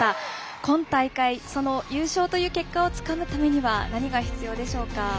今大会、その優勝という結果をつかむためには何が必要でしょうか。